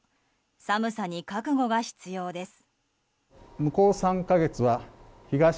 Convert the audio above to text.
寒さに覚悟が必要です。